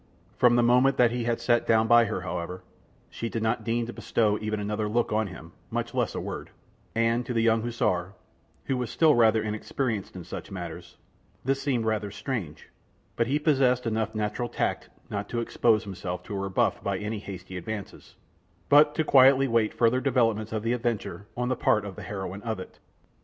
From the moment that he had sat down by her, however, she did not deign to bestow even another look on him, much less a word, and to the young hussar, who was still rather inexperienced in such matters, this seemed rather strange; but he possessed enough natural tact not to expose himself to a rebuff by any hasty advances, but quietly to wait further developments of the adventure on the part of the heroine of it.